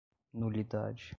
nulidade